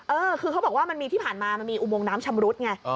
เออคือเขาบอกว่ามันมีที่ผ่านมามันมีอุโมงน้ำชำรุดไง